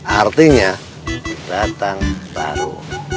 artinya datang baru